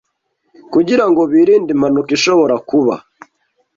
kugirango birinde impanuka ishobora kuba